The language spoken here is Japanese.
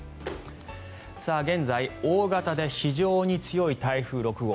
現在、大型で非常に強い台風６号。